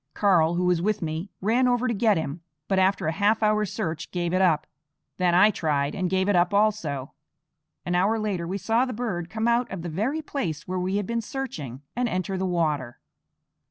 Karl, who was with me, ran over to get him, but after a half hour's search gave it up. Then I tried, and gave it up also. An hour later we saw the bird come out of the very place where we had been searching, and enter the water.